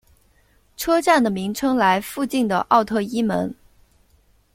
车站的名称来附近的奥特伊门。